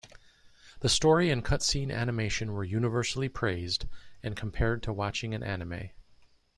The story and cutscene animation were universally praised, and compared to watching an anime.